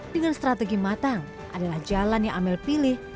dengan strategi matang adalah jalan yang amel pilih